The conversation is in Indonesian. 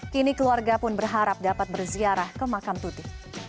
kini keluarga pun berharap dapat berziarah ke makam tuti